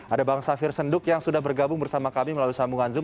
ada bang safir senduk yang sudah bergabung bersama kami melalui sambungan zoom